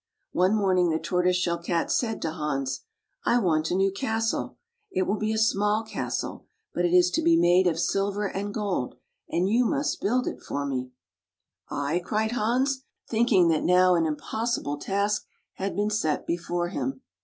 One morning the Tortoise Shell Cat said to Hans, " I want a new castle. It will be a small castle, but it is to be made of silver and gold, and you must build it for me." [ 93 ] FAVORITE FAIRY TALES RETOLD " I," cried Hans, thinking that now an impossible task had been set before him.